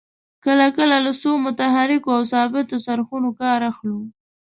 کله کله له څو متحرکو او ثابتو څرخونو کار اخلو.